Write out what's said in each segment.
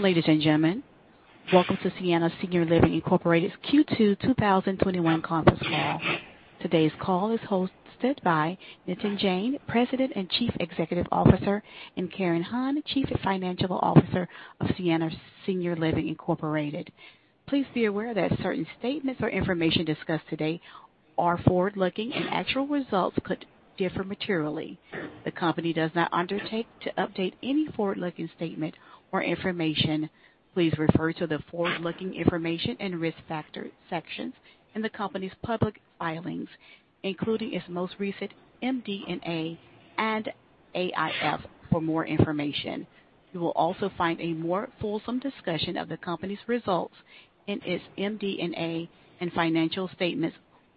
Ladies and gentlemen, welcome to Sienna Senior Living Inc's Q2 2021 conference call. Today's call is hosted by Nitin Jain, President and Chief Executive Officer, and Karen Hon, Chief Financial Officer of Sienna Senior Living Inc. Please be aware that certain statements or information discussed today are forward-looking and actual results could differ materially. The company does not undertake to update any forward-looking statement or information. Please refer to the forward-looking information and risk factor sections in the company's public filings, including its most recent MD&A and AIF for more information. You will also find a more fulsome discussion of the company's results in its MD&A and financial statements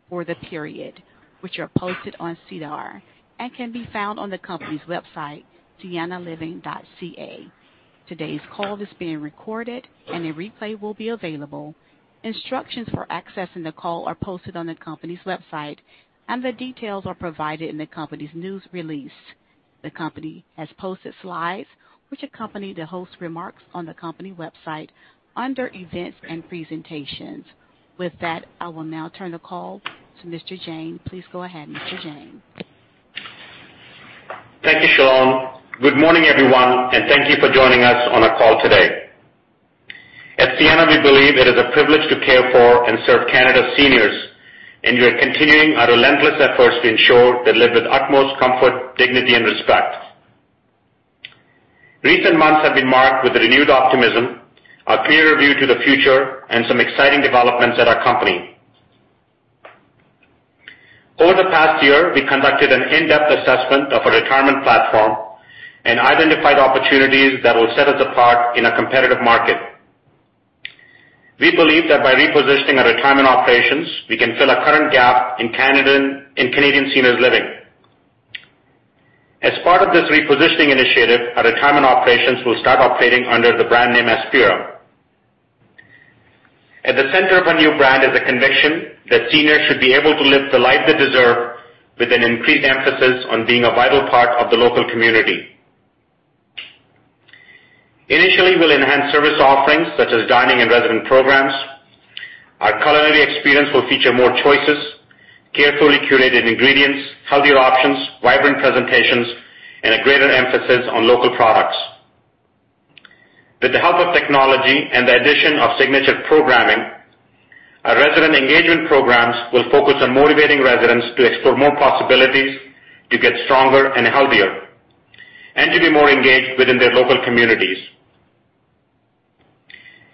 for the period, which are posted on SEDAR and can be found on the company's website, siennaliving.ca. Today's call is being recorded and a replay will be available. Instructions for accessing the call are posted on the company's website, and the details are provided in the company's news release. The company has posted slides which accompany the host remarks on the company website under Events and Presentations. With that, I will now turn the call to Mr. Jain. Please go ahead, Mr. Jain. Thank you, Shalom. Good morning, everyone, and thank you for joining us on our call today. At Sienna, we believe it is a privilege to care for and serve Canada's seniors, and we are continuing our relentless efforts to ensure they live with utmost comfort, dignity, and respect. Recent months have been marked with renewed optimism, a clear view to the future, and some exciting developments at our company. Over the past year, we conducted an in-depth assessment of our retirement platform and identified opportunities that will set us apart in a competitive market. We believe that by repositioning our retirement operations, we can fill a current gap in Canadian seniors living. As part of this repositioning initiative, our retirement operations will start operating under the brand name Aspira. At the center of our new brand is a conviction that seniors should be able to live the life they deserve with an increased emphasis on being a vital part of the local community. Initially, we'll enhance service offerings such as dining and resident programs. Our culinary experience will feature more choices, carefully curated ingredients, healthier options, vibrant presentations, and a greater emphasis on local products. With the help of technology and the addition of signature programming, our resident engagement programs will focus on motivating residents to explore more possibilities, to get stronger and healthier, and to be more engaged within their local communities.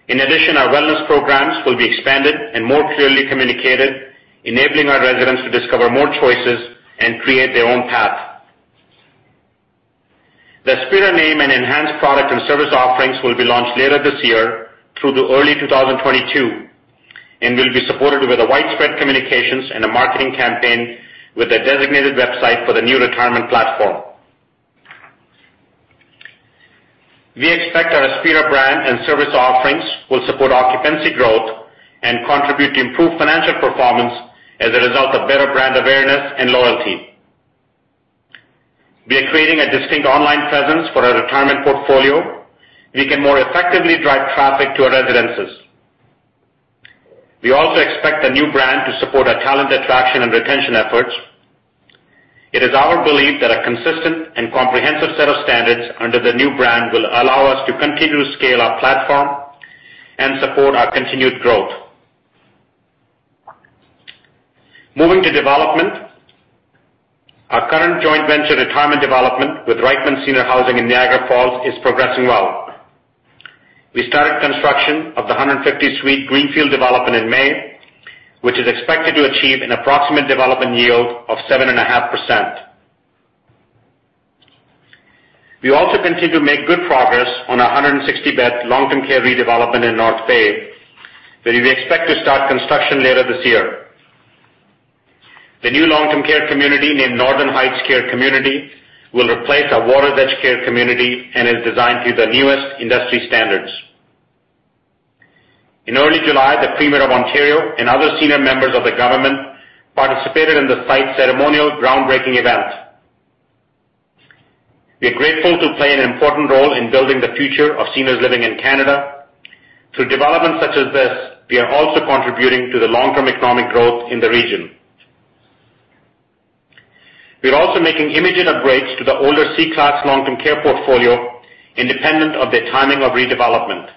In addition, our wellness programs will be expanded and more clearly communicated, enabling our residents to discover more choices and create their own path. The Aspira name and enhanced product and service offerings will be launched later this year through early 2022 and will be supported with widespread communications and a marketing campaign with a designated website for the new retirement platform. We expect our Aspira brand and service offerings will support occupancy growth and contribute to improved financial performance as a result of better brand awareness and loyalty. We are creating a distinct online presence for our retirement portfolio. We can more effectively drive traffic to our residences. We also expect the new brand to support our talent attraction and retention efforts. It is our belief that a consistent and comprehensive set of standards under the new brand will allow us to continue to scale our platform and support our continued growth. Moving to development. Our current joint venture retirement development with Reichmann Seniors Housing in Niagara Falls is progressing well. We started construction of the 150-suite greenfield development in May, which is expected to achieve an approximate development yield of 7.5%. We also continue to make good progress on our 160-bed long-term care redevelopment in North Bay, where we expect to start construction later this year. The new long-term care community, named Northern Heights Care Community, will replace our Waters Edge Care Community and is designed to the newest industry standards. In early July, the Premier of Ontario and other senior members of the government participated in the site's ceremonial groundbreaking event. We are grateful to play an important role in building the future of seniors living in Canada. Through developments such as this, we are also contributing to the long-term economic growth in the region. We are also making immediate upgrades to the older C Class long-term care portfolio, independent of the timing of redevelopment.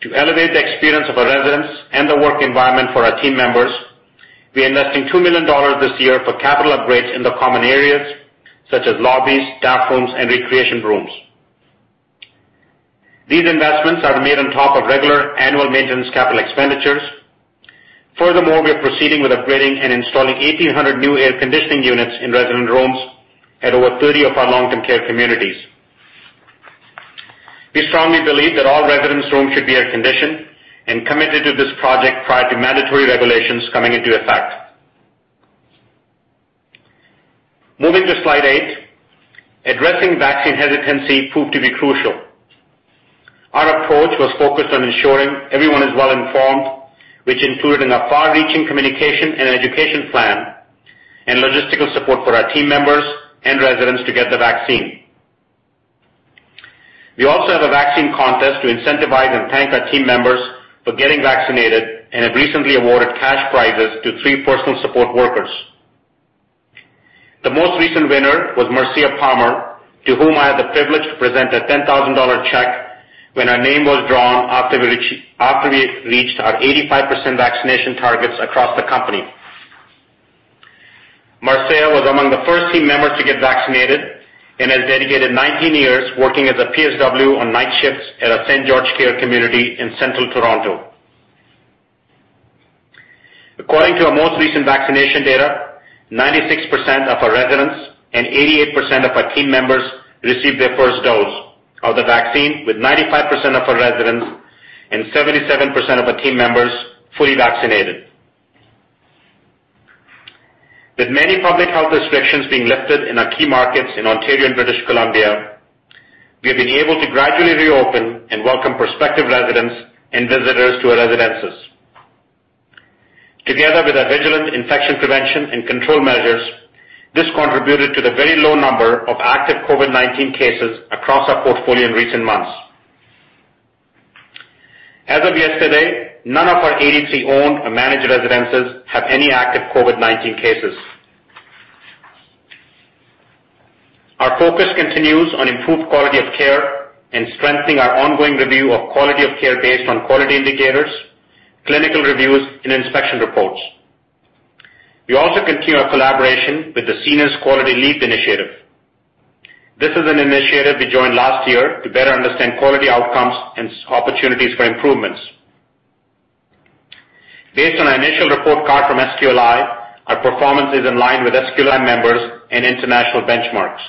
To elevate the experience of our residents and the work environment for our team members, we are investing 2 million dollars this year for capital upgrades in the common areas such as lobbies, staff rooms, and recreation rooms. These investments are made on top of regular annual maintenance capital expenditures. We are proceeding with upgrading and installing 1,800 new air conditioning units in resident rooms at over 30 of our long-term care communities. We strongly believe that all residents' rooms should be air-conditioned and committed to this project prior to mandatory regulations coming into effect. Moving to slide 8. Addressing vaccine hesitancy proved to be crucial. Our approach was focused on ensuring everyone is well informed, which included a far-reaching communication and education plan, and logistical support for our team members and residents to get the vaccine. We also have a vaccine contest to incentivize and thank our team members for getting vaccinated and have recently awarded cash prizes to three personal support workers. The most recent winner was Marcia Palmer, to whom I had the privilege to present a 10,000 dollar check when her name was drawn after we reached our 85% vaccination targets across the company. Marcia was among the first team members to get vaccinated and has dedicated 19 years working as a PSW on night shifts at our St. George Care Community in Central Toronto. According to our most recent vaccination data, 96% of our residents and 88% of our team members received their first dose of the vaccine, with 95% of our residents and 77% of our team members fully vaccinated. With many public health restrictions being lifted in our key markets in Ontario and British Columbia, we have been able to gradually reopen and welcome prospective residents and visitors to our residences. Together with our vigilant infection prevention and control measures, this contributed to the very low number of active COVID-19 cases across our portfolio in recent months. As of yesterday, none of our 83 owned or managed residences have any active COVID-19 cases. Our focus continues on improved quality of care and strengthening our ongoing review of quality of care based on quality indicators, clinical reviews, and inspection reports. We also continue our collaboration with the Seniors Quality Leap Initiative. This is an initiative we joined last year to better understand quality outcomes and opportunities for improvements. Based on our initial report card from SQLI, our performance is in line with SQLI members and international benchmarks.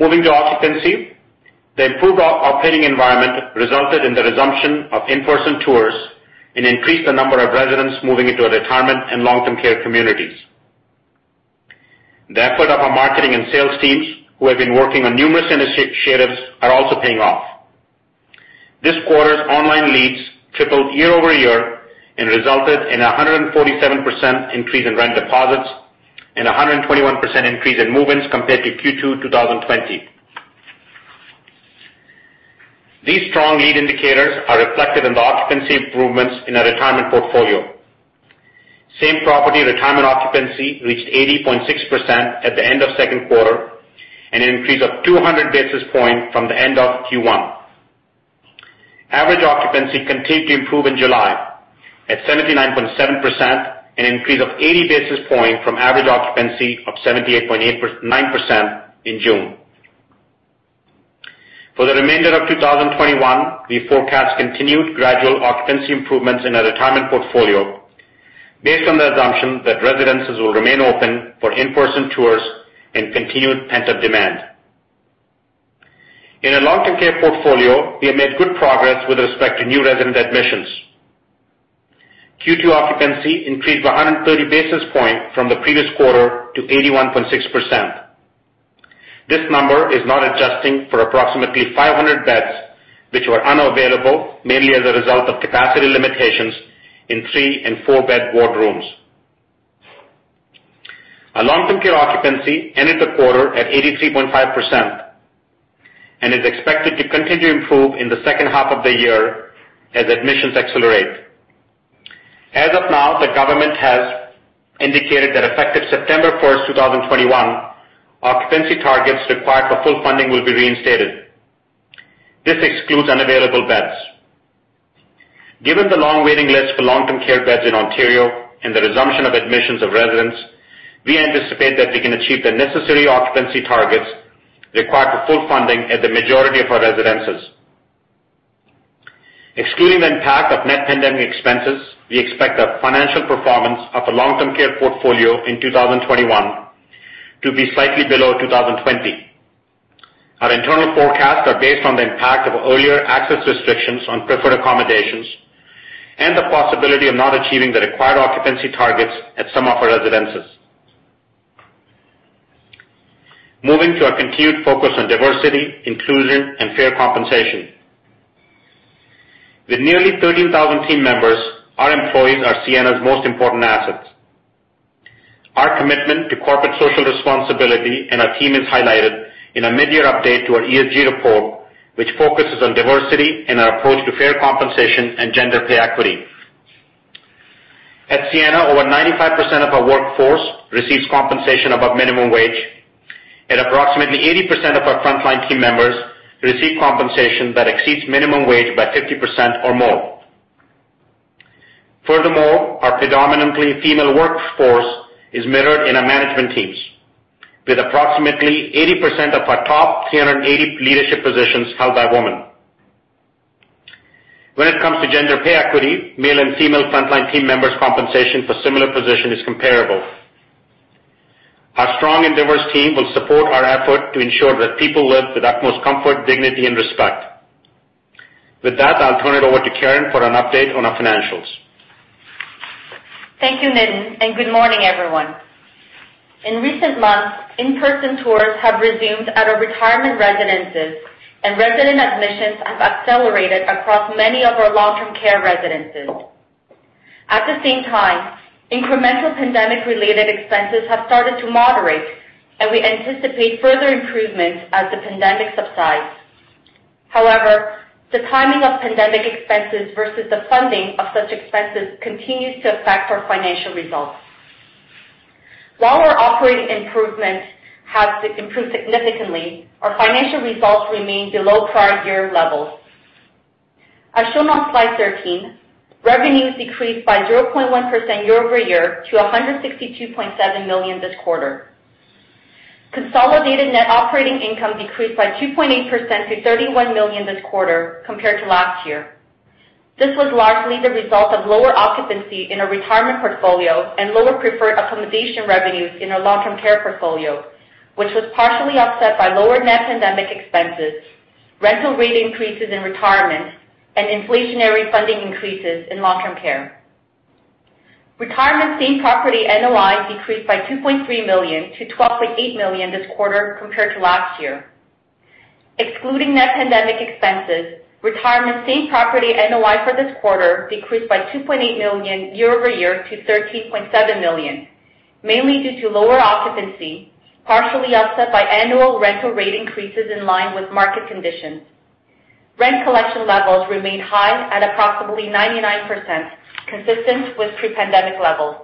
Moving to occupancy. The improved operating environment resulted in the resumption of in-person tours and increased the number of residents moving into our retirement and long-term care communities. The effort of our marketing and sales teams, who have been working on numerous initiatives, are also paying off. This quarter's online leads tripled year-over-year and resulted in 147% increase in rent deposits and 121% increase in move-ins compared to Q2 2020. These strong lead indicators are reflected in the occupancy improvements in our retirement portfolio. Same-property retirement occupancy reached 80.6% at the end of second quarter, an increase of 200 basis points from the end of Q1. Average occupancy continued to improve in July at 79.7%, an increase of 80 basis points from average occupancy of 78.9% in June. For the remainder of 2021, we forecast continued gradual occupancy improvements in our retirement portfolio based on the assumption that residences will remain open for in-person tours and continued pent-up demand. In our long-term care portfolio, we have made good progress with respect to new resident admissions. Q2 occupancy increased by 130 basis points from the previous quarter to 81.6%. This number is not adjusting for approximately 500 beds, which were unavailable mainly as a result of capacity limitations in three and four-bed ward rooms. Our long-term care occupancy ended the quarter at 83.5% and is expected to continue to improve in the second half of the year as admissions accelerate. As of now, the government has indicated that effective September 1st, 2021, occupancy targets required for full funding will be reinstated. This excludes unavailable beds. Given the long waiting list for long-term care beds in Ontario and the resumption of admissions of residents, we anticipate that we can achieve the necessary occupancy targets required for full funding at the majority of our residences. Excluding the impact of net pandemic expenses, we expect the financial performance of our long-term care portfolio in 2021 to be slightly below 2020. Our internal forecasts are based on the impact of earlier access restrictions on preferred accommodations and the possibility of not achieving the required occupancy targets at some of our residences. Moving to our continued focus on diversity, inclusion, and fair compensation. With nearly 13,000 team members, our employees are Sienna's most important assets. Our commitment to corporate social responsibility and our team is highlighted in our mid-year update to our ESG report, which focuses on diversity and our approach to fair compensation and gender pay equity. At Sienna, over 95% of our workforce receives compensation above minimum wage, and approximately 80% of our frontline team members receive compensation that exceeds minimum wage by 50% or more. Furthermore, our predominantly female workforce is mirrored in our management teams, with approximately 80% of our top 380 leadership positions held by women. When it comes to gender pay equity, male and female frontline team members' compensation for similar position is comparable. Our strong and diverse team will support our effort to ensure that people live with utmost comfort, dignity, and respect. With that, I'll turn it over to Karen for an update on our financials. Thank you, Nitin. Good morning, everyone. In recent months, in-person tours have resumed at our retirement residences, and resident admissions have accelerated across many of our long-term care residences. At the same time, incremental pandemic related expenses have started to moderate. We anticipate further improvements as the pandemic subsides. However, the timing of pandemic expenses versus the funding of such expenses continues to affect our financial results. While our operating improvements have improved significantly, our financial results remain below prior year levels. As shown on slide 13, revenues decreased by 0.1% year-over-year to 162.7 million this quarter. Consolidated net operating income decreased by 2.8% to 31.0 million this quarter compared to last year. This was largely the result of lower occupancy in our retirement portfolio and lower preferred accommodation revenues in our long-term care portfolio, which was partially offset by lower net pandemic expenses, rental rate increases in retirement, and inflationary funding increases in long-term care. Retirement same-property NOI decreased by 2.3 million to 12.8 million this quarter compared to last year. Excluding net pandemic expenses, retirement same-property NOI for this quarter decreased by 2.8 million year-over-year to 13.7 million, mainly due to lower occupancy, partially offset by annual rental rate increases in line with market conditions. Rent collection levels remained high at approximately 99%, consistent with pre-pandemic levels.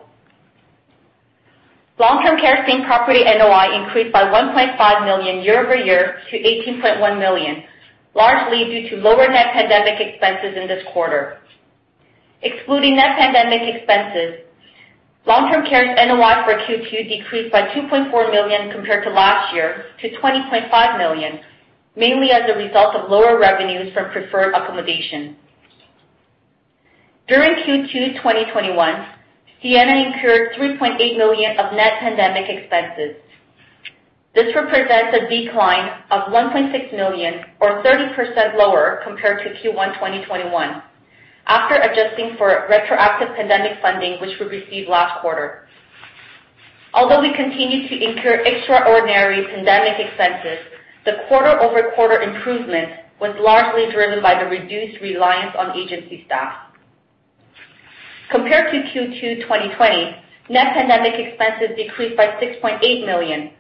Long-term care same-property NOI increased by 1.5 million year-over-year to 18.1 million, largely due to lower net pandemic expenses in this quarter. Excluding net pandemic expenses, long-term care's NOI for Q2 decreased by 2.4 million compared to last year to 20.5 million, mainly as a result of lower revenues from preferred accommodation. During Q2 2021, Sienna incurred 3.8 million of net pandemic expenses. This represents a decline of 1.6 million or 30% lower compared to Q1 2021, after adjusting for retroactive pandemic funding which we received last quarter. Although we continue to incur extraordinary pandemic expenses, the quarter-over-quarter improvement was largely driven by the reduced reliance on agency staff. Compared to Q2 2020, net pandemic expenses decreased by 6.8 million,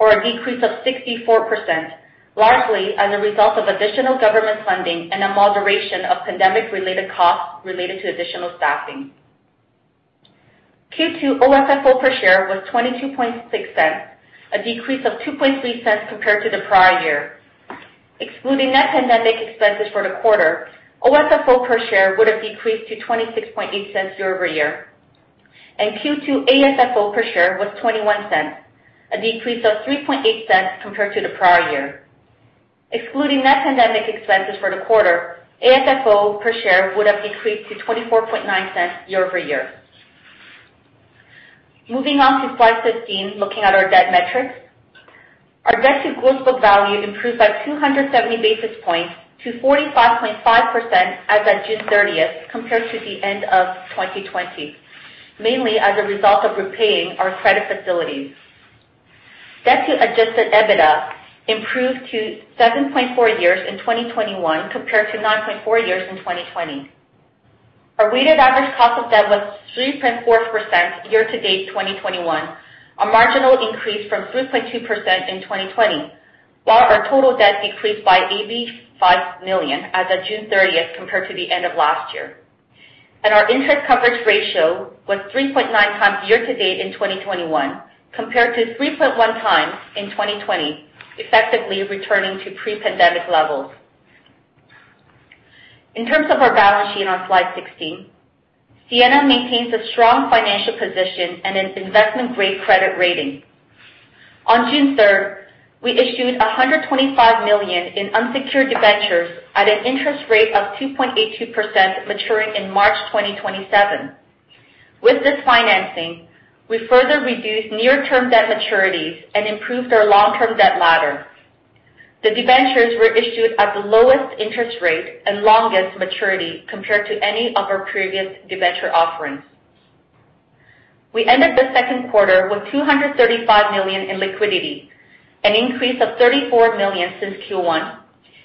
or a decrease of 64%, largely as a result of additional government funding and a moderation of pandemic related costs related to additional staffing. Q2 OFFO per share was 0.226, a decrease of 0.023 compared to the prior year. Excluding net pandemic expenses for the quarter, OFFO per share would have decreased to 0.268 year-over-year. Q2 AFFO per share was 0.21, a decrease of 0.038 compared to the prior year. Excluding net pandemic expenses for the quarter, AFFO per share would have decreased to 0.249 year-over-year. Moving on to slide 15, looking at our debt metrics. Our debt to gross book value improved by 270 basis points to 45.5% as of June 30th compared to the end of 2020, mainly as a result of repaying our credit facilities. Debt to adjusted EBITDA improved to 7.4 years in 2021 compared to 9.4 years in 2020. Our weighted average cost of debt was 3.4% year to date 2021, a marginal increase from 3.2% in 2020, while our total debt decreased by 85 million as of June 30th compared to the end of last year. Our interest coverage ratio was 3.9x year to date in 2021 compared to 3.1x in 2020, effectively returning to pre-pandemic levels. In terms of our balance sheet on slide 16, Sienna maintains a strong financial position and an investment-grade credit rating. On June 3rd, we issued 125 million in unsecured debentures at an interest rate of 2.82%, maturing in March 2027. With this financing, we further reduced near term debt maturities and improved our long-term debt ladder. The debentures were issued at the lowest interest rate and longest maturity compared to any of our previous debenture offerings. We ended the second quarter with 235 million in liquidity, an increase of 34 million since Q1,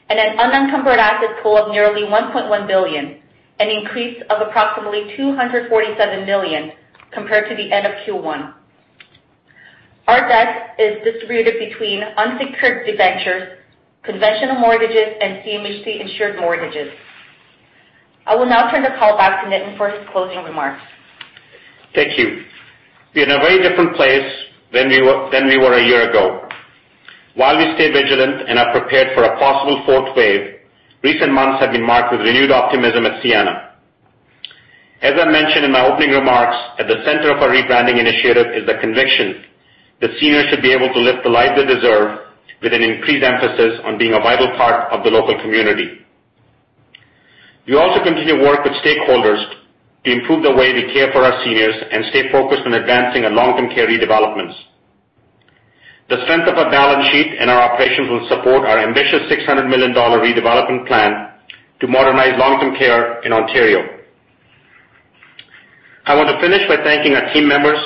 and an unencumbered asset pool of nearly 1.1 billion, an increase of approximately 247 million compared to the end of Q1. Our debt is distributed between unsecured debentures, conventional mortgages, and CMHC-insured mortgages. I will now turn the call back to Nitin for his closing remarks. Thank you. We are in a very different place than we were a year ago. While we stay vigilant and are prepared for a possible fourth wave, recent months have been marked with renewed optimism at Sienna. As I mentioned in my opening remarks, at the center of our rebranding initiative is the conviction that seniors should be able to live the life they deserve with an increased emphasis on being a vital part of the local community. We also continue to work with stakeholders to improve the way we care for our seniors and stay focused on advancing our long-term care redevelopments. The strength of our balance sheet and our operations will support our ambitious 600 million dollar redevelopment plan to modernize long-term care in Ontario. I want to finish by thanking our team members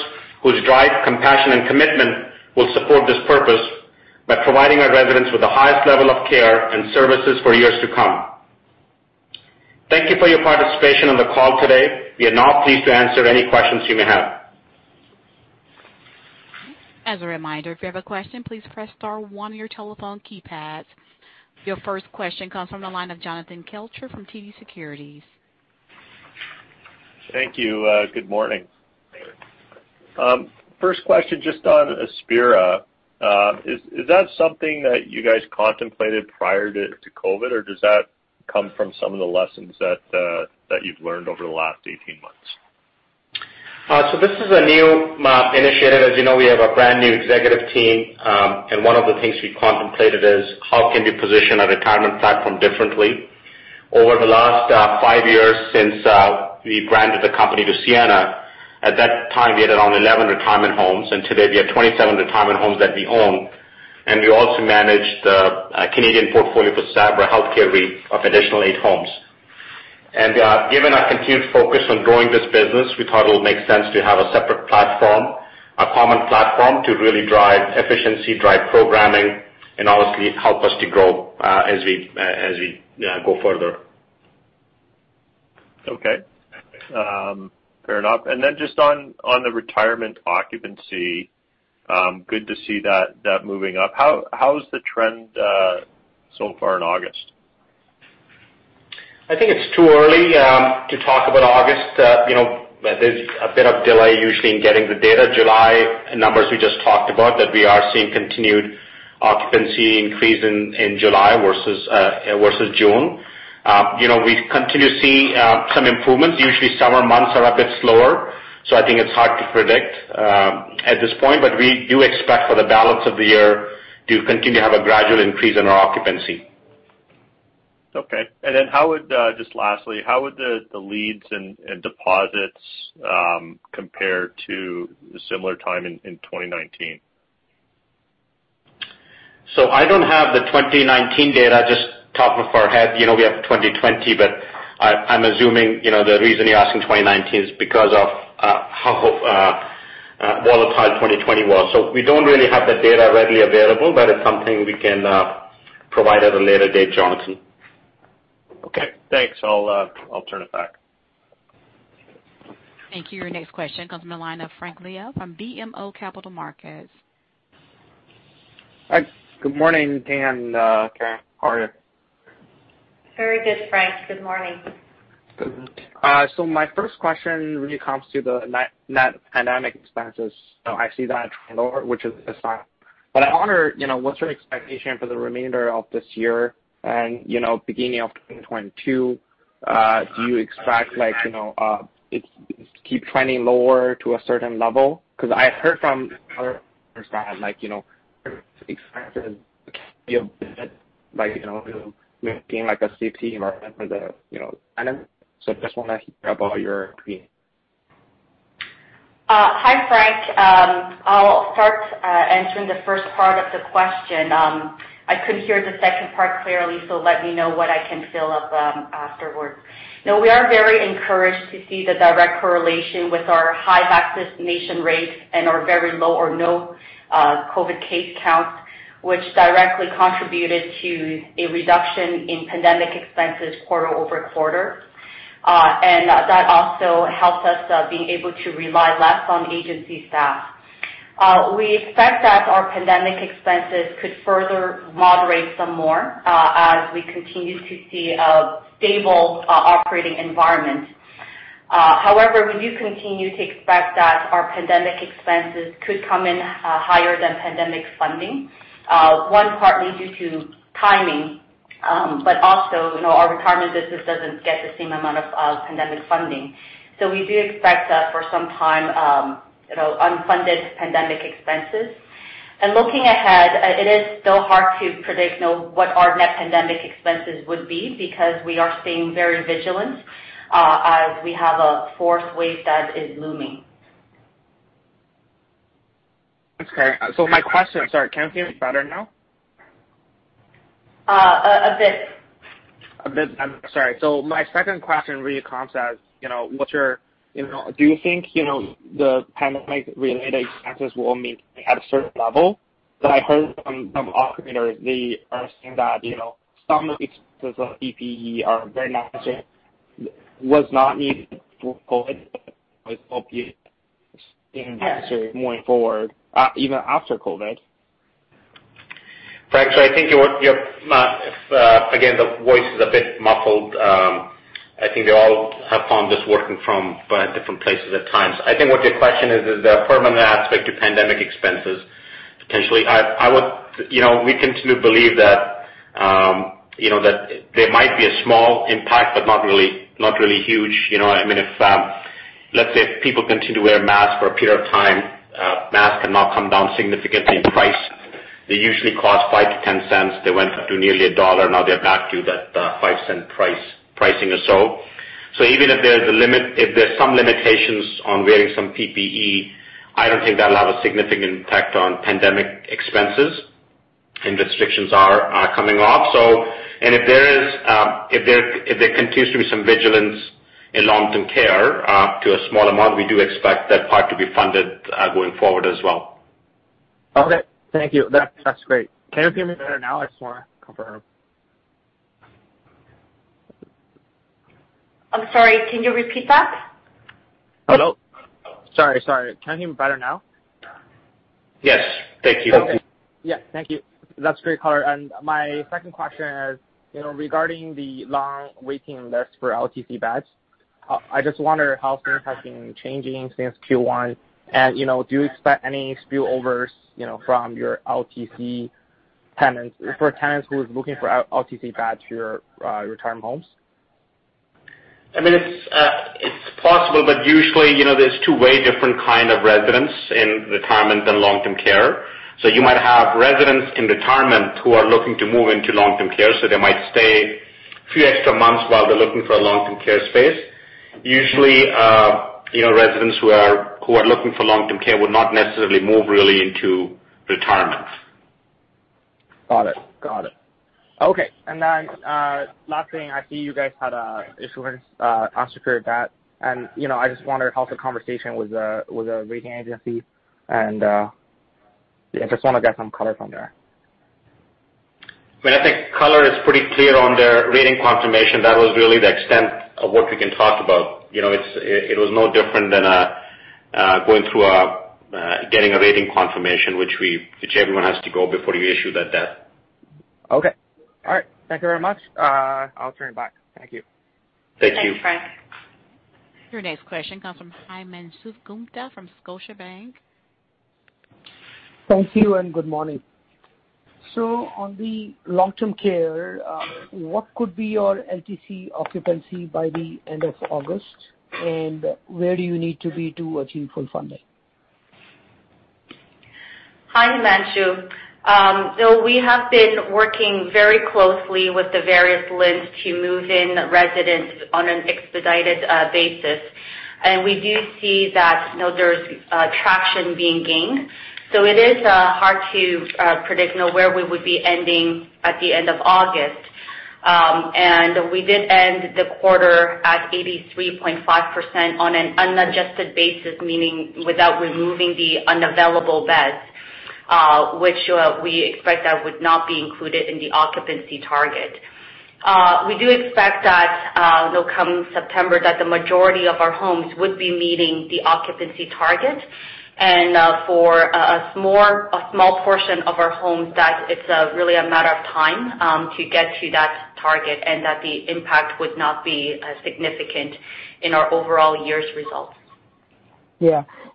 whose drive, compassion, and commitment will support this purpose by providing our residents with the highest level of care and services for years to come. Thank you for your participation on the call today. We are now pleased to answer any questions you may have. As a reminder, if you have a question, please press star one on your telephone keypad. Your first question comes from the line of Jonathan Kelcher from TD Securities. Thank you. Good morning. First question, just on Aspira. Is that something that you guys contemplated prior to COVID, or does that come from some of the lessons that you've learned over the last 18 months? This is a new initiative. As you know, we have a brand-new executive team, and one of the things we contemplated is how can we position a retirement platform differently? Over the last five years since we branded the company to Sienna, at that time, we had around 11 retirement homes, and today we have 27 retirement homes that we own. We also manage the Canadian portfolio for Sabra Health Care REIT of additional eight homes. Given our continued focus on growing this business, we thought it would make sense to have a separate platform, a common platform, to really drive efficiency, drive programming, and obviously help us to grow as we go further. Okay. Fair enough. Then just on the retirement occupancy, good to see that moving up. How is the trend so far in August? I think it's too early to talk about August. There's a bit of delay usually in getting the data. July numbers we just talked about, that we are seeing continued occupancy increase in July versus June. We continue to see some improvements. Usually, summer months are a bit slower. I think it's hard to predict at this point. We do expect for the balance of the year to continue to have a gradual increase in our occupancy. Okay. Just lastly, how would the leads and deposits compare to the similar time in 2019? I don't have the 2019 data, just top of our head. We have 2020, but I'm assuming the reason you're asking 2019 is because of how volatile 2020 was. We don't really have the data readily available, but it's something we can provide at a later date, Jonathan. Okay, thanks. I'll turn it back. Thank you. Your next question comes from the line of Frank Liu from BMO Capital Markets. Hi, good morning, Nitin Jain, Karen Hon. How are you? Very good, Frank. Good morning. Good. My first question really comes to the net pandemic expenses. I see that trending lower, which is a sign. I wonder, what's your expectation for the remainder of this year and beginning of 2022? Do you expect it to keep trending lower to a certain level? I heard from other providers that expenses can be a bit, with being a safety environment for the tenant. I just want to hear about your opinion. Hi, Frank. I'll start answering the first part of the question. I couldn't hear the second part clearly, so let me know what I can fill up afterwards. We are very encouraged to see the direct correlation with our high vaccination rates and our very low or no COVID case counts, which directly contributed to a reduction in pandemic expenses quarter-over-quarter. That also helps us being able to rely less on agency staff. We expect that our pandemic expenses could further moderate some more as we continue to see a stable operating environment. However, we do continue to expect that our pandemic expenses could come in higher than pandemic funding. One partly due to timing, but also our retirement business doesn't get the same amount of pandemic funding. We do expect that for some time, unfunded pandemic expenses. Looking ahead, it is still hard to predict what our net pandemic expenses would be because we are staying very vigilant as we have a fourth wave that is looming. Okay. My question, sorry, can you hear me better now? A bit. I'm sorry. My second question really comes as, do you think the pandemic related expenses will maintain at a certain level? I heard from some operators, they are saying that some of the expenses of PPE was not needed for COVID, but it's helping going forward, even after COVID. Frank, again, the voice is a bit muffled. I think they all have problems just working from different places at times. I think what your question is the permanent aspect to pandemic expenses, potentially. We continue to believe that there might be a small impact, but not really huge. Let's say if people continue to wear masks for a period of time, masks can now come down significantly in price. They usually cost 0.05-0.10. They went up to nearly CAD 1. Now they're back to that 0.05 pricing or so. Even if there's some limitations on wearing some PPE, I don't think that'll have a significant impact on pandemic expenses. Restrictions are coming off. If there continues to be some vigilance in long-term care to a small amount, we do expect that part to be funded going forward as well. Okay. Thank you. That's great. Can you hear me better now? I just wanna confirm. I'm sorry, can you repeat that? Hello. Sorry. Can you hear me better now? Yes. Thank you. Okay. Yeah, thank you. That's great color. My second question is, regarding the long waiting list for LTC beds, I just wonder how things have been changing since Q1. Do you expect any spillovers from your LTC tenants, for tenants who are looking for LTC beds for your retirement homes? It's possible, but usually, there's two way different kind of residents in retirement than long-term care. You might have residents in retirement who are looking to move into long-term care, so they might stay few extra months while they're looking for a long-term care space. Usually, residents who are looking for long-term care would not necessarily move really into retirement. Got it. Okay. Last thing, I see you guys had a issuance on secured debt, I just wondered how the conversation with the rating agency and, yeah, I just want to get some color from there. I think color is pretty clear on their rating confirmation. That was really the extent of what we can talk about. It was no different than getting a rating confirmation, which everyone has to go before you issue that debt. Okay. All right. Thank you very much. I'll turn it back. Thank you. Thank you. Thanks, Frank. Your next question comes from Himanshu Gupta from Scotiabank. Thank you and good morning. On the long-term care, what could be your LTC occupancy by the end of August? Where do you need to be to achieve full funding? Hi, Himanshu. We have been working very closely with the various LHIN to move in residents on an expedited basis. We do see that there's traction being gained. It is hard to predict to know where we would be ending at the end of August. We did end the quarter at 83.5% on an unadjusted basis, meaning without removing the unavailable beds, which we expect that would not be included in the occupancy target. We do expect that come September that the majority of our homes would be meeting the occupancy target. For a small portion of our homes that it's really a matter of time to get to that target, and that the impact would not be significant in our overall year's results.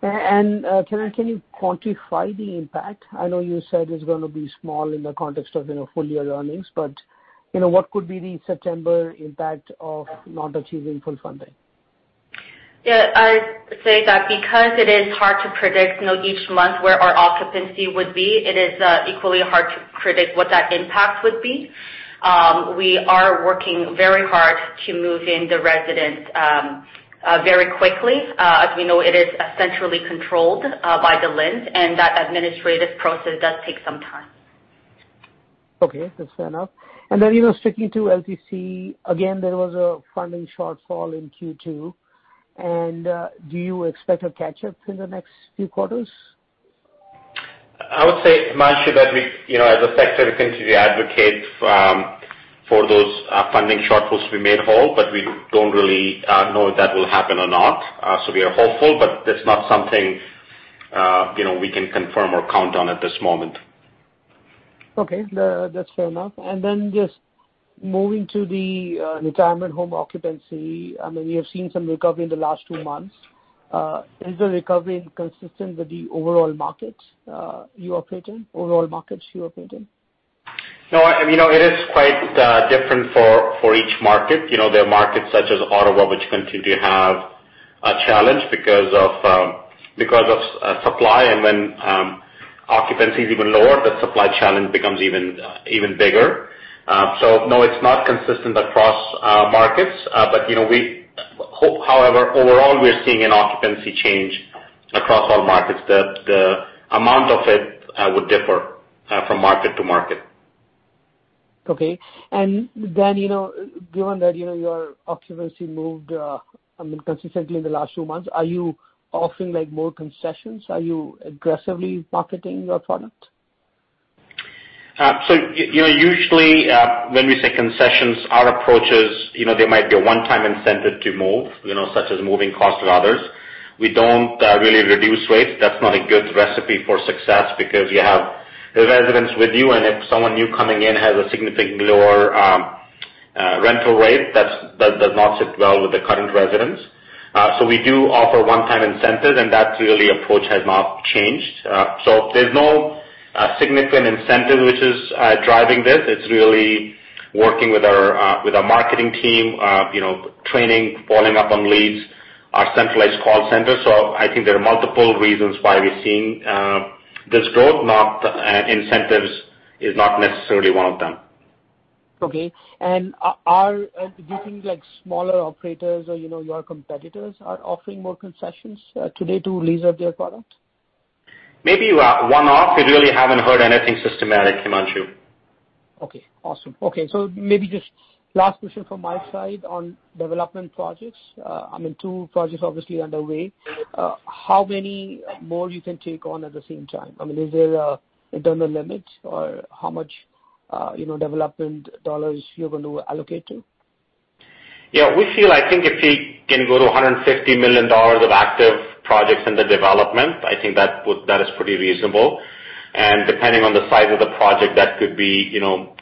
Yeah. Karen, can you quantify the impact? I know you said it's gonna be small in the context of full year earnings, but what could be the September impact of not achieving full funding? I'd say that because it is hard to predict each month where our occupancy would be, it is equally hard to predict what that impact would be. We are working very hard to move in the residents very quickly. As we know, it is centrally controlled by the LHIN, and that administrative process does take some time. Okay. That's fair enough. Then, sticking to LTC, again, there was a funding shortfall in Q2. Do you expect a catch-up in the next few quarters? I would say, Himanshu, that as a sector, we continue to advocate for those funding shortfalls to be made whole, but we don't really know if that will happen or not. We are hopeful, but that's not something we can confirm or count on at this moment. Okay. That's fair enough. Then just moving to the retirement home occupancy, we have seen some recovery in the last two months. Is the recovery consistent with the overall markets you operate in? It is quite different for each market. There are markets such as Ottawa, which continue to have a challenge because of supply and when occupancy is even lower, the supply challenge becomes even bigger. No, it's not consistent across markets. Overall, we're seeing an occupancy change across all markets. The amount of it would differ from market to market. Okay. Given that your occupancy moved consistently in the last few months, are you offering more concessions? Are you aggressively marketing your product? Usually, when we say concessions, our approach is, there might be a one-time incentive to move, such as moving cost of others. We don't really reduce rates. That's not a good recipe for success because you have the residents with you, and if someone new coming in has a significantly lower rental rate, that does not sit well with the current residents. We do offer one-time incentives, and that's really approach has not changed. There's no significant incentive which is driving this. It's really working with our marketing team, training, following up on leads, our centralized call center. I think there are multiple reasons why we're seeing this growth, not incentives is not necessarily one of them. Okay. Do you think smaller operators or your competitors are offering more concessions today to lease out their product? Maybe one-off. We really haven't heard anything systematic, Himanshu. Okay. Awesome. Okay, maybe just last question from my side on development projects. Two projects obviously underway. How many more you can take on at the same time? Is there internal limits or how much development dollars you're going to allocate to? We feel, I think if we can go to 150 million dollars of active projects under development, I think that is pretty reasonable. Depending on the size of the project, that could be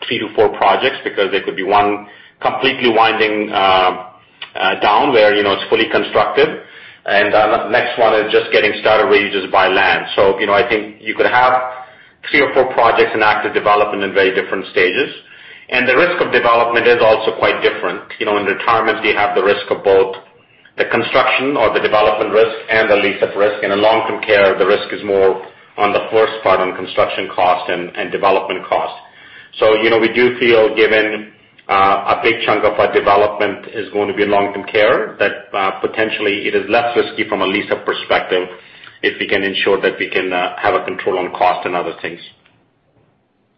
three to four projects, because there could be one completely winding down where it's fully constructed, and the next one is just getting started where you just buy land. I think you could have three or four projects in active development in very different stages. The risk of development is also quite different. In retirements, we have the risk of both the construction or the development risk and the lease of risk. In a long-term care, the risk is more on the first part, on construction cost and development cost. We do feel given a big chunk of our development is going to be long-term care, that potentially it is less risky from a lease-up perspective if we can ensure that we can have a control on cost and other things.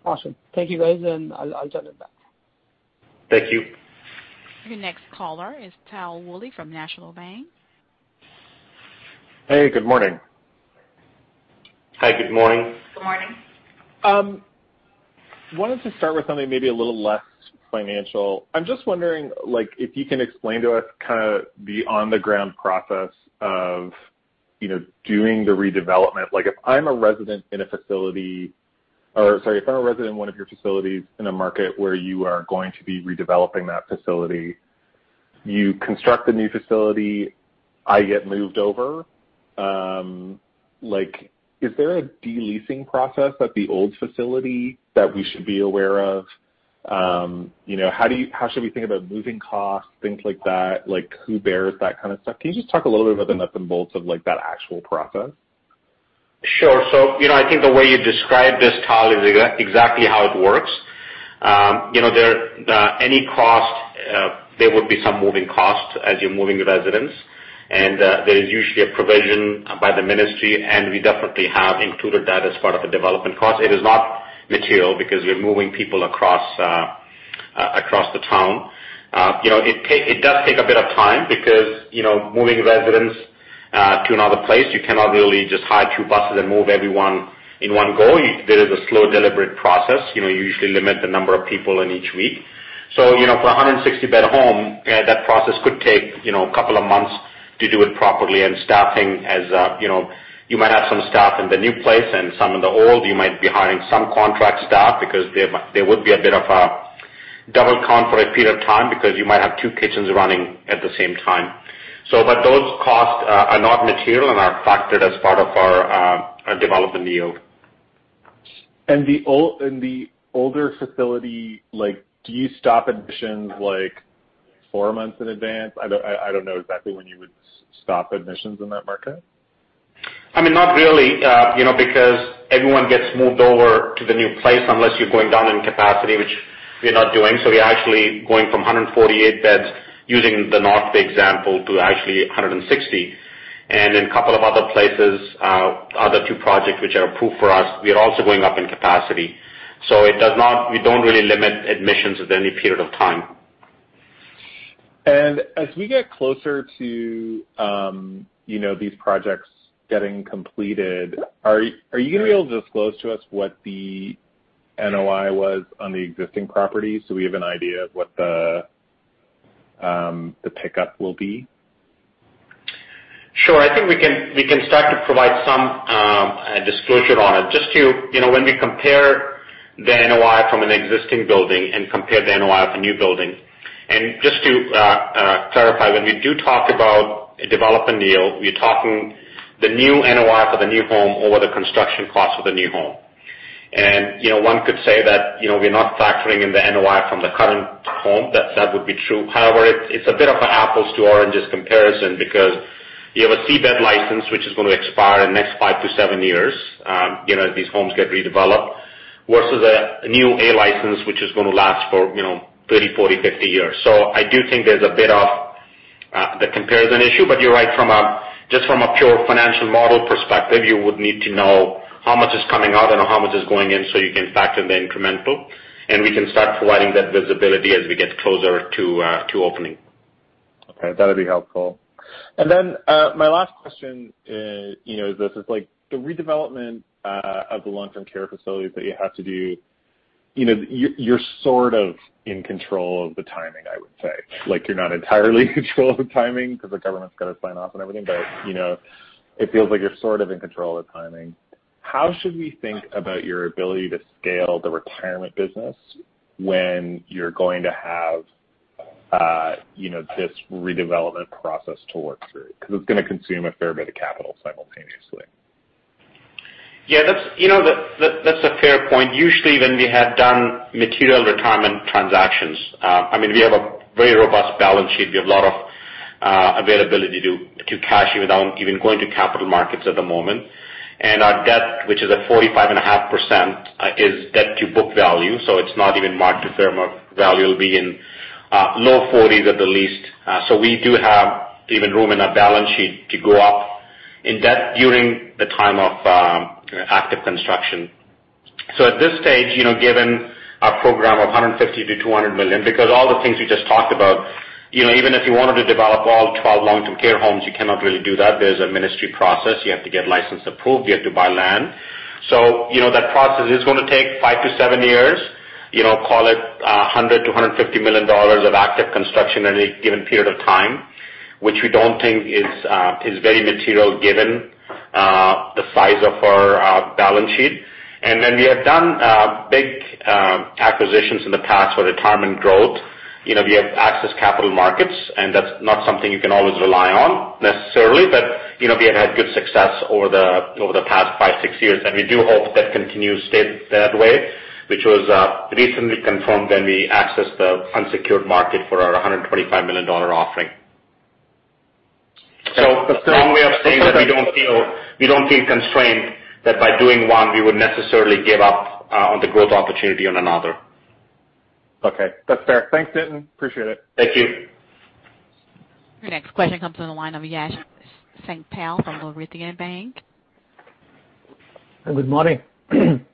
Awesome. Thank you, guys, and I'll join it back. Thank you. Your next caller is Tal Woolley from National Bank. Hey, good morning. Hi, good morning. Good morning. Wanted to start with something maybe a little less financial. I'm just wondering, if you can explain to us kind of the on the ground process of doing the redevelopment. If I'm a resident in one of your facilities in a market where you are going to be redeveloping that facility, you construct a new facility, I get moved over. Is there a de-leasing process at the old facility that we should be aware of? How should we think about moving costs, things like that? Who bears that kind of stuff? Can you just talk a little bit about the nuts and bolts of that actual process? Sure. I think the way you described this, Tal, is exactly how it works. There would be some moving costs as you're moving the residents, and there is usually a provision by the ministry, and we definitely have included that as part of the development cost. It is not material, because we are moving people across the town. It does take a bit of time because, moving residents, to another place, you cannot really just hire two buses and move everyone in one go. There is a slow, deliberate process. You usually limit the number of people in each week. For 160-bed home, that process could take two months to do it properly and staffing. You might have some staff in the new place and some in the old. You might be hiring some contract staff because there would be a bit of a double count for a period of time because you might have 2 kitchens running at the same time. Those costs are not material and are factored as part of our development yield. The older facility, do you stop admissions four months in advance? I don't know exactly when you would stop admissions in that market. Not really, because everyone gets moved over to the new place unless you're going down in capacity, which we're not doing. We are actually going from 148 beds, using the North Bay example, to actually 160. In couple of other places, other two projects which are approved for us, we are also going up in capacity. We don't really limit admissions at any period of time. As we get closer to these projects getting completed, are you gonna be able to disclose to us what the NOI was on the existing properties so we have an idea of what the pickup will be? Sure. I think we can start to provide some disclosure on it. When we compare the NOI from an existing building and compare the NOI of the new building. Just to clarify, when we do talk about a development yield, we're talking the new NOI for the new home over the construction cost of the new home. One could say that we're not factoring in the NOI from the current home. That would be true. However, it's a bit of a apples to oranges comparison because you have a C bed license, which is going to expire in the next five to seven years, these homes get redeveloped. Versus a new A license, which is going to last for 30, 40, 50 years. I do think there's a bit of the comparison issue, but you're right, just from a pure financial model perspective, you would need to know how much is coming out and how much is going in so you can factor in the incremental, and we can start providing that visibility as we get closer to opening. Okay. That'd be helpful. My last question is this is like the redevelopment of the long-term care facilities that you have to do. You're sort of in control of the timing, I would say. You're not entirely in control of the timing because the government's got to sign off and everything, but it feels like you're sort of in control of the timing. How should we think about your ability to scale the retirement business when you're going to have this redevelopment process to work through? Because it's going to consume a fair bit of capital simultaneously. Yeah, that's a fair point. Usually, when we have done material retirement transactions, we have a very robust balance sheet. We have a lot of Availability to cash without even going to capital markets at the moment. Our debt, which is at 45.5%, is debt to book value, so it's not even marked to fair market value will be in low 40% at the least. We do have even room in our balance sheet to go up in debt during the time of active construction. At this stage, given our program of 150 million-200 million, because all the things we just talked about, even if you wanted to develop all 12 long-term care homes, you cannot really do that. There's a ministry process. You have to get licensed approved, you have to buy land. That process is going to take five to seven years. Call it 100 million to 150 million dollars of active construction in any given period of time, which we don't think is very material given the size of our balance sheet. We have done big acquisitions in the past for retirement growth. We have accessed capital markets, and that's not something you can always rely on necessarily. We have had good success over the past five, six years, and we do hope that continues to stay that way, which was recently confirmed when we accessed the unsecured market for our 125 million dollar offering. Long way of saying that we don't feel constrained that by doing one, we would necessarily give up on the growth opportunity on another. Okay. That's fair. Thanks, Nitin. Appreciate it. Thank you. Your next question comes on the line of Yash Sankpal from Laurentian Bank. Good morning. Hello?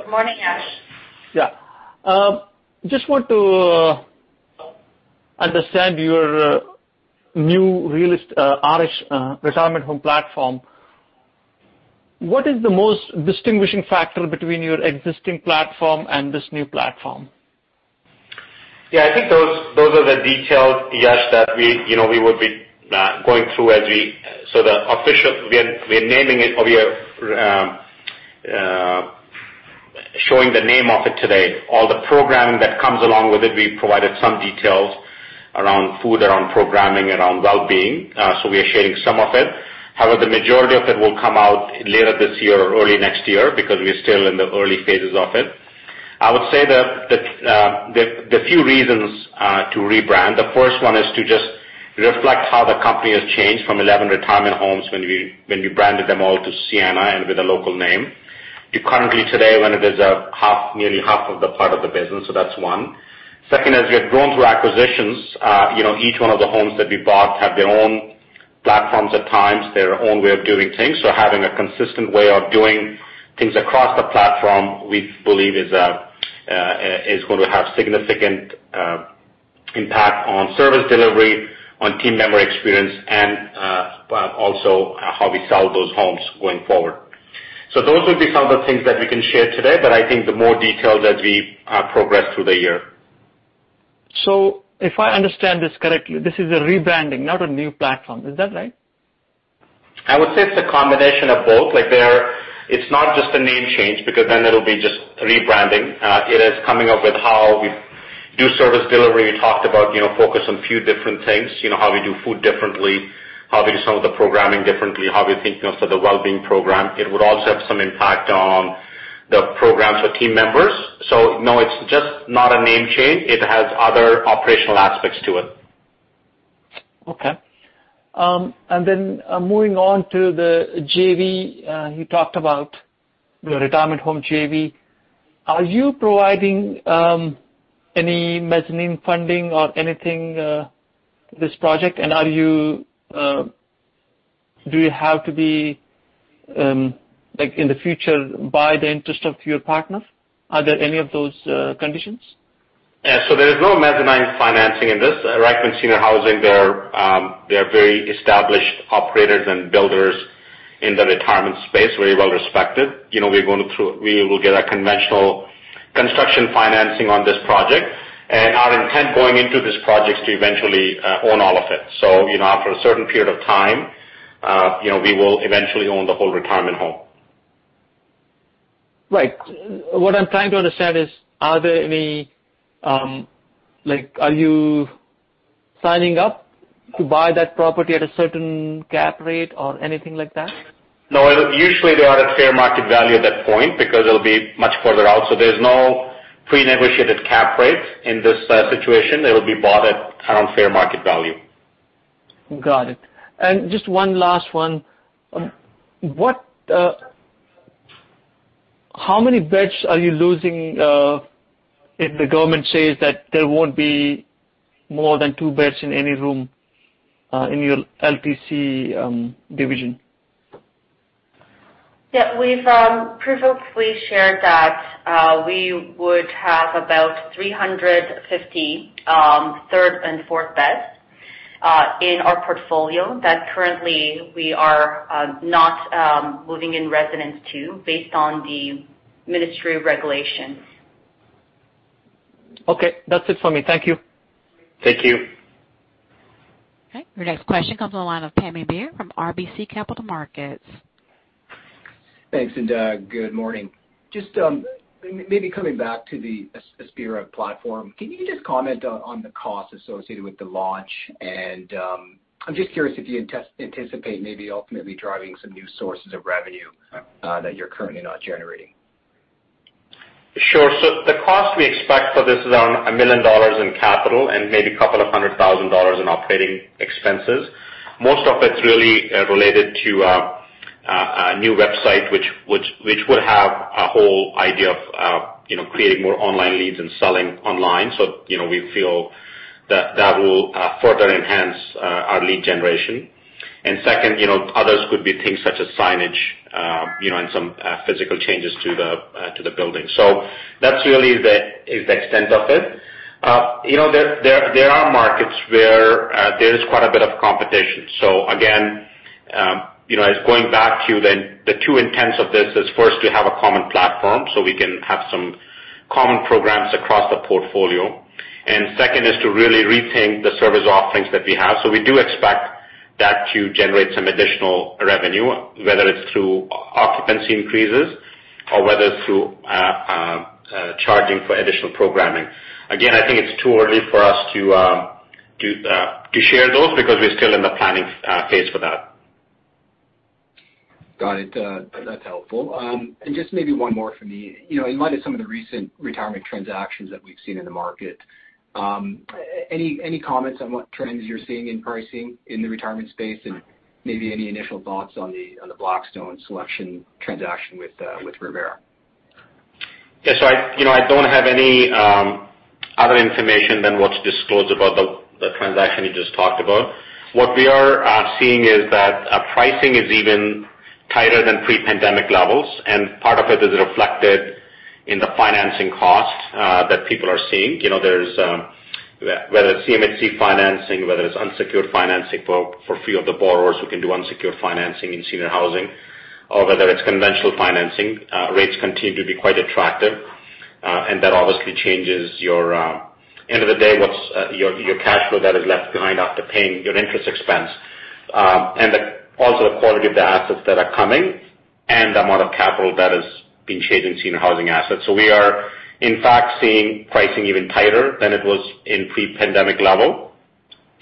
Good morning, Yash. Just want to understand your new RH, Retirement Home platform. What is the most distinguishing factor between your existing platform and this new platform? I think those are the details, Yash, that we would be going through. The official, we're naming it or we are showing the name of it today. All the programming that comes along with it, we provided some details around food, around programming, around wellbeing. We are sharing some of it. However, the majority of it will come out later this year or early next year, because we're still in the early phases of it. I would say that the few reasons to rebrand, the first one is to just reflect how the company has changed from 11 retirement homes when we branded them all to Sienna and with a local name, to currently today, when it is nearly half of the part of the business. That's one. Second is we have grown through acquisitions. Each one of the homes that we bought have their own platforms at times, their own way of doing things. Having a consistent way of doing things across the platform, we believe is going to have significant impact on service delivery, on team member experience, and also how we sell those homes going forward. Those would be some of the things that we can share today, but I think the more details as we progress through the year. If I understand this correctly, this is a rebranding, not a new platform. Is that right? I would say it's a combination of both. It's not just a name change, because then it'll be just rebranding. It is coming up with how we do service delivery. We talked about focus on few different things. How we do food differently, how we do some of the programming differently, how we think of the wellbeing program. It would also have some impact on the programs for team members. No, it's just not a name change. It has other operational aspects to it. Okay. Moving on to the JV, you talked about your retirement home JV. Are you providing any mezzanine funding or anything to this project? Do you have to, in the future, buy the interest of your partners? Are there any of those conditions? Yeah. There is no mezzanine financing in this. Reichmann Seniors Housing Development, they're very established operators and builders in the retirement space, very well respected. We will get a conventional construction financing on this project, and our intent going into this project is to eventually own all of it. After a certain period of time, we will eventually own the whole retirement home. Right. What I'm trying to understand is, are you signing up to buy that property at a certain cap rate or anything like that? No. Usually, they are at fair market value at that point because it'll be much further out. There's no pre-negotiated cap rates in this situation. It will be bought at around fair market value. Got it. Just one last one. How many beds are you losing if the government says that there won't be more than two beds in any room, in your LTC division? Yeah. We've previously shared that we would have about 350 third and fourth beds in our portfolio that currently we are not moving in residents to based on the ministry regulations. Okay. That's it for me. Thank you. Thank you. Okay. Your next question comes on the line of Pammi Bir from RBC Capital Markets. Thanks, good morning. Just maybe coming back to the Aspira platform. Can you just comment on the cost associated with the launch? I'm just curious if you anticipate maybe ultimately driving some new sources of revenue that you're currently not generating? Sure. The cost we expect for this is around 1 million dollars in capital and maybe couple of hundred thousand dollars in operating expenses. Most of it's really related to a new website, which will have a whole idea of creating more online leads and selling online. We feel that will further enhance our lead generation. Second, others could be things such as signage, and some physical changes to the building. That's really the extent of it. There are markets where there is quite a bit of competition. Again, it's going back to the two intents of this, is first, we have a common platform, so we can have some common programs across the portfolio. Second is to really rethink the service offerings that we have. We do expect that to generate some additional revenue, whether it's through occupancy increases or whether it's through charging for additional programming. I think it's too early for us to share those because we're still in the planning phase for that. Got it. That's helpful. Just maybe one more from me. In light of some of the recent retirement transactions that we've seen in the market, any comments on what trends you're seeing in pricing in the retirement space and maybe any initial thoughts on the Blackstone Selection transaction with Revera? Yeah. I don't have any other information than what's disclosed about the transaction you just talked about. What we are seeing is that pricing is even tighter than pre-pandemic levels, and part of it is reflected in the financing cost that people are seeing. Whether it's CMHC financing, whether it's unsecured financing for few of the borrowers who can do unsecured financing in senior housing, or whether it's conventional financing, rates continue to be quite attractive. That obviously changes your, end of the day, what's your cash flow that is left behind after paying your interest expense. Also the quality of the assets that are coming and the amount of capital that is being chased in senior housing assets. We are in fact, seeing pricing even tighter than it was in pre-pandemic level.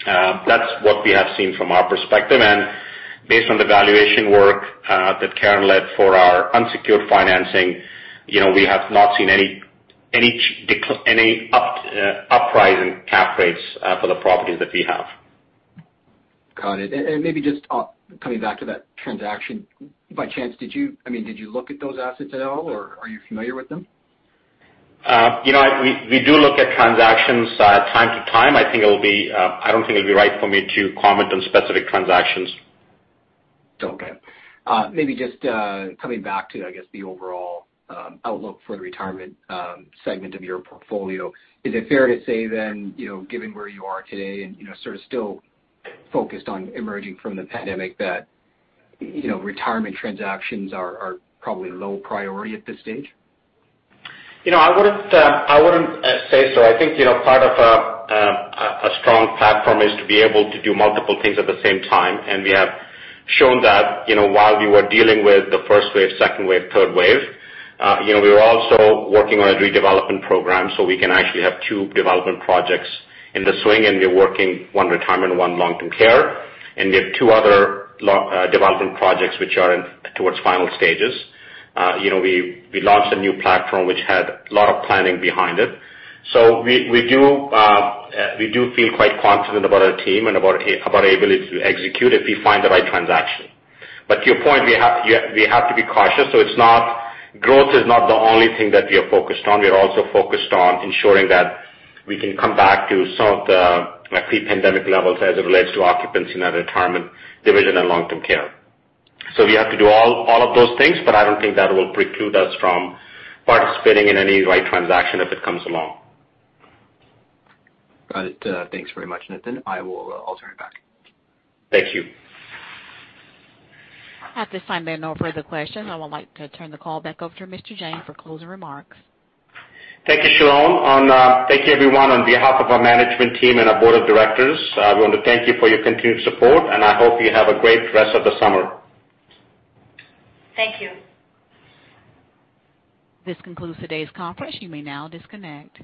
That's what we have seen from our perspective. Based on the valuation work that Karen led for our unsecured financing, we have not seen any uprise in cap rates for the properties that we have. Got it. Maybe just coming back to that transaction. By chance, did you look at those assets at all or are you familiar with them? We do look at transactions time to time. I don't think it'll be right for me to comment on specific transactions. Okay. Maybe just coming back to, I guess, the overall outlook for the retirement segment of your portfolio. Is it fair to say then, given where you are today and sort of still focused on emerging from the pandemic that retirement transactions are probably low priority at this stage? I wouldn't say so. I think, part of a strong platform is to be able to do multiple things at the same time, and we have shown that while we were dealing with the first wave, second wave, third wave. We were also working on a redevelopment program, so we can actually have two development projects in the swing, and we are working one retirement, one long-term care. We have two other development projects which are towards final stages. We launched a new platform which had a lot of planning behind it. We do feel quite confident about our team and about our ability to execute if we find the right transaction. To your point, we have to be cautious. Growth is not the only thing that we are focused on. We are also focused on ensuring that we can come back to some of the pre-pandemic levels as it relates to occupancy in our retirement division and long-term care. We have to do all of those things, but I don't think that will preclude us from participating in any right transaction if it comes along. Got it. Thanks very much, Nitin. I will turn it back. Thank you. At this time, there are no further questions. I would like to turn the call back over to Mr. Jain for closing remarks. Thank you, Sharon. Thank you, everyone. On behalf of our management team and our board of directors, I want to thank you for your continued support, and I hope you have a great rest of the summer. Thank you. This concludes today's conference. You may now disconnect.